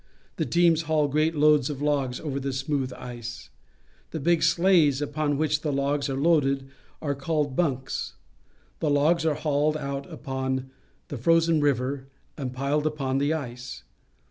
The teams haul great loads of logs over the smooth ice. The big sleighs upon which the logs are loaded are called "bunks." The logs are hauled out upon the frozen river and piled upon the ice.